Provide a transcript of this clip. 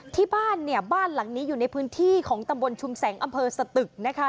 ที่บ้านเนี่ยบ้านหลังนี้อยู่ในพื้นที่ของตำบลชุมแสงอำเภอสตึกนะคะ